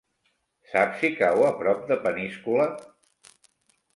Saps si cau a prop de Peníscola?